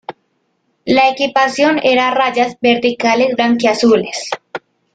La equipación era a rayas verticales blanquiazules.